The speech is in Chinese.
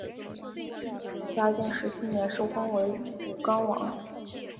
嘉靖十七年受封为武冈王。